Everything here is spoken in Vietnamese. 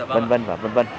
vân vân và vân vân